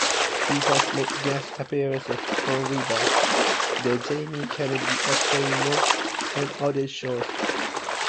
He has made guest appearances on "Reba", "The Jamie Kennedy Experiment", and other shows.